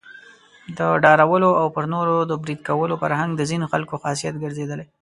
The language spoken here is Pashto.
د ډارولو او پر نورو د بريد کولو فرهنګ د ځینو خلکو خاصيت ګرځېدلی.